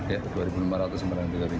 ya dua lima ratus menang tiga ribu